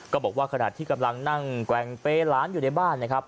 บอกว่าขณะที่กำลังนั่งแกว่งเป้หลานอยู่ในบ้านนะครับ